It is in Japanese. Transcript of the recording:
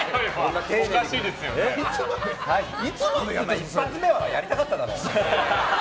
一発目はやりたかっただろ！